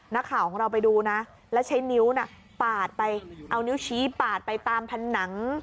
นักข่าวของเราไปดูนะแล้วใช้นิ้วน่ะปาดไปเอานิ้วชี้ปาดไปตามผนัง